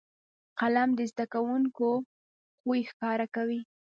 قلم د زده کوونکو خوی ښکاره کوي